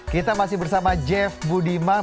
kita masih bersama jeff budiman